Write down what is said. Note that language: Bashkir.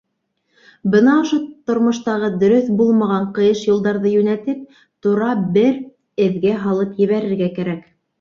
Бына ошо тормоштағы дөрөҫ булмаған ҡыйыш юлдарҙы йүнәтеп, тура бер эҙгә һалып ебәрергә кәрәк.